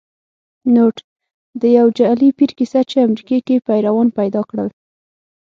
نوټ: د یو جعلې پیر کیسه چې امریکې کې پیروان پیدا کړل